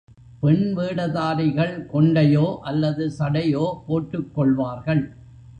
பெண் வேடதாரிகள் கொண்டையோ அல்லது சடையோ போட்டுக் கொள்வார்கள்.